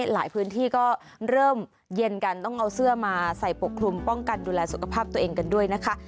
หลายพื้นที่ก็เริ่มเย็นกันต้องเอาเสื้อมาใส่ปกคลุมป้องกันดูแลสุขภาพตัวเองกันด้วยนะคะ